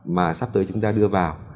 mà sắp tới chúng ta đưa vào